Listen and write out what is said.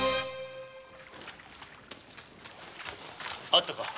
あったか？